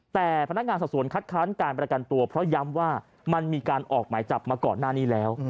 แต่พนักงานสอบสวนคัดค้านการประกันตัวเพราะย้ำว่ามันมีการออกหมายจับมาก่อนหน้านี้แล้ว